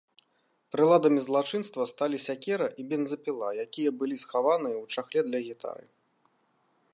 Прыладамі злачынства сталі сякера і бензапіла, якія былі схаваныя ў чахле для гітары.